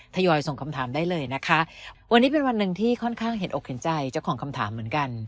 ทยอยส่งคำถามได้เลยนะคะวันนี้เป็นวันหนึ่งที่ค่อนข้างเห็นอกเห็นใจเจ้าของคำถามเหมือนกัน